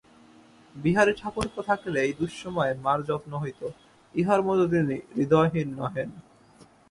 বিহারী-ঠাকুরপো থাকিলে এই দুঃসময়ে মার যত্ন হইত–ইঁহার মতো তিনি হৃদয়হীন নহেন।